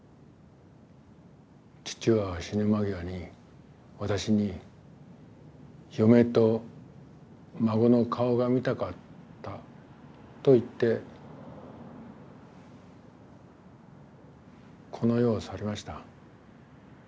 父は死ぬ間際に私に「嫁と孫の顔が見たかった」と言ってこの世を去りました。